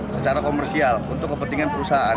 secara komersial untuk kepentingan perusahaan